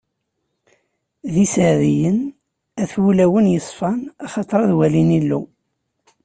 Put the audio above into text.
D iseɛdiyen, at wulawen yeṣfan, axaṭer ad walin Illu!